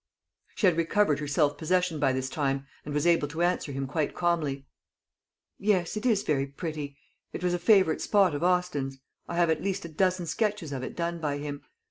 She had recovered her self possession by this time, and was able to answer him quite calmly. "Yes, it is very pretty. It was a favourite spot of Austin's. I have at least a dozen sketches of it done by him.